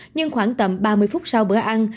nhưng khoảng tầm ba mươi phút sau bữa ăn